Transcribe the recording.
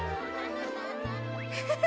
フフフ。